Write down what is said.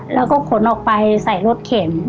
แล้วก็ขนออกไปใส่รถเข็น